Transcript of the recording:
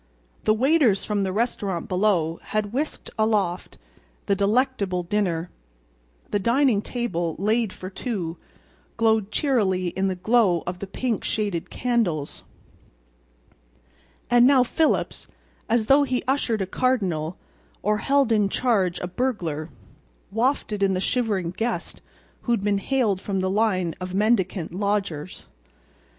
The waiters from the restaurant below had whisked aloft the delectable dinner. The dining table, laid for two, glowed cheerily in the glow of the pink shaded candles. And now Phillips, as though he ushered a cardinal—or held in charge a burglar—wafted in the shivering guest who had been haled from the line of mendicant lodgers.